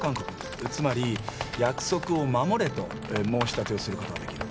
つまり約束を守れと申し立てをすることができる。